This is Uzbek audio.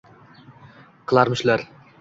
Qilarmishlar